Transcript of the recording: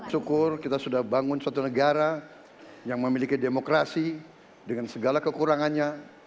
syukur kita sudah bangun suatu negara yang memiliki demokrasi dengan segala kekurangannya